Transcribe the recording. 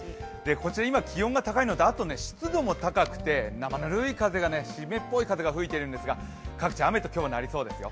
今、気温が高い、あと湿度も高くて生ぬるい湿っぽい風が吹いているんですが各地雨と今日はなりそうですよ。